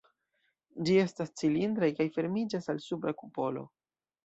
Ĝi estas cilindraj kaj fermiĝas al supra kupolo.